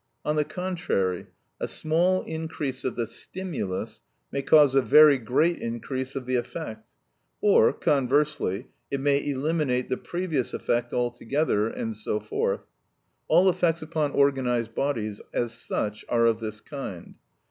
On the contrary, a small increase of the stimulus may cause a very great increase of the effect, or conversely, it may eliminate the previous effect altogether, and so forth. All effects upon organised bodies as such are of this kind.